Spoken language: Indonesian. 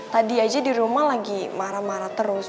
tadi aja di rumah lagi marah marah terus